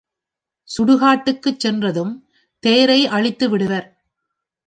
சுடுகாட்டுக்குச் சென்றதும் தேரை அழித்துவிடுவர்.